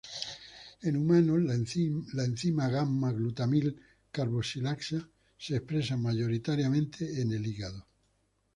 En humanos, la enzima gamma-glutamil carboxilasa se expresa mayoritariamente en el hígado.